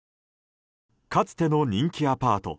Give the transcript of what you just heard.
かつての人気アパート